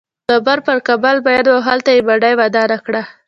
بابر پر کابل مین و او دلته یې ماڼۍ ودانه کړه.